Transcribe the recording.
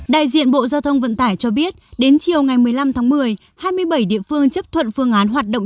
đại diện bộ giao thông vận tải cho biết đến chiều ngày một mươi năm tháng một mươi hai mươi bảy địa phương chấp thuận phương án hoạt động